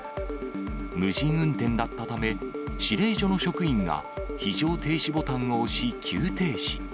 無人運転だったため、指令所の職員が非常停止ボタンを押し、急停止。